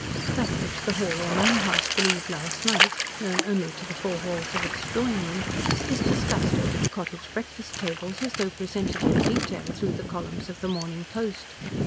That which the Hall or Manor House believed last night, known only to the four walls of its drawing room, is discussed over the cottage breakfast tables as though presented in detail through the columns of the Morning Post.